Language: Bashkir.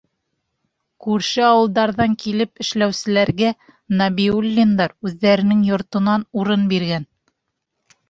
Күрше ауылдарҙан килеп эшләүселәргә Нәбиуллиндар үҙҙәренең йортонан урын биргән.